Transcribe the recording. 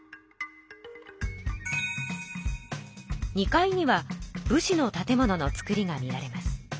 ２階には武士の建物の作りが見られます。